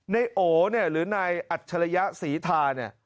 ในโอ้เนี่ยหรือในอัจฉละยะศรีทาน่ะ